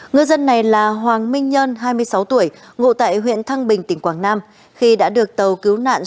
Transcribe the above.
ngư dân này là hoàng minh nhân hai mươi sáu tuổi ngụ tại huyện thăng bình tỉnh quảng nam khi đã được tàu cứu nạn